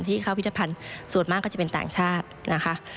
ที่เข้าพิธภัณฑ์ส่วนมากก็จะเป็นต่างชาตินะคะ